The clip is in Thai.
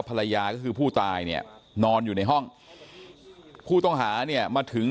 ภรรยาก็คือผู้ตายเนี่ยนอนอยู่ในห้องผู้ต้องหาเนี่ยมาถึง